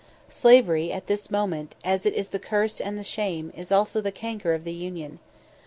Slavery at this moment, as it is the curse and the shame, is also the canker of the Union.